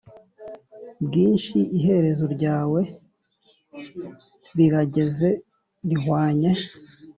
bwinshi iherezo ryawe rirageze rihwanye